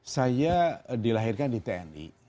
saya dilahirkan di tni